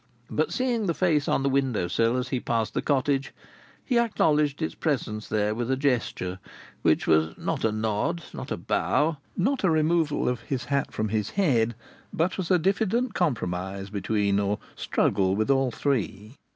But, seeing the face on the window sill as he passed the cottage, he acknowledged its presence there with a gesture, which was not a nod, not a bow, not a removal of his hat from his head, but was a diffident compromise between or struggle with all three.